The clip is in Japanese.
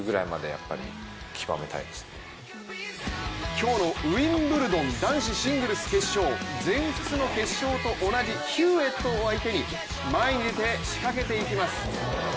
今日のウィンブルドン、男子シングルス決勝、全仏の決勝と同じヒューエットを相手に前に出て仕掛けていきます。